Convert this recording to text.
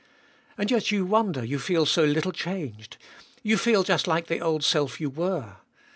And yet you wonder you feel so little changed. You feel just like the old self you were.